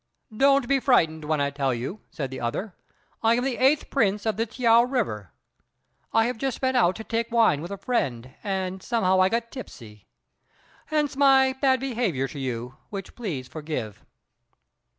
"Don't be frightened when I tell you," said the other; "I am the Eighth Prince of the T'iao river. I have just been out to take wine with a friend, and somehow I got tipsy; hence my bad behaviour to you, which please forgive."